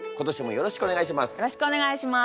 よろしくお願いします。